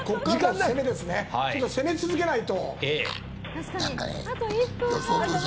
攻め続けないと。